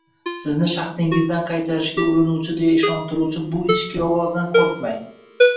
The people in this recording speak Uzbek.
Sizni shaxtingizdan qaytarishga urinuvchi deya ishontiruvchi bu ichki ovozdan qo‘rqmang